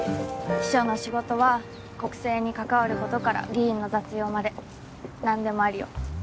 秘書の仕事は国政に関わることから議員の雑用まで何でもありよ。